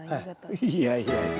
いやいやいや。